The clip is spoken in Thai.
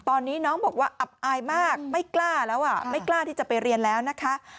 ตอนนี้น้องบอกว่าอับอายมากไม่กล้าที่จะไปเรียนแล้วนะคะ